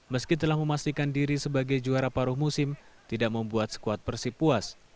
meski telah memastikan diri sebagai juara paruh musim tidak membuat skuad persib puas